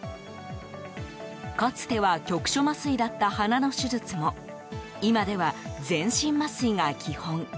かつては局所麻酔だった鼻の手術も今では全身麻酔が基本。